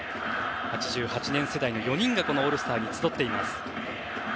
８８年世代の４人がオールスターに集っています。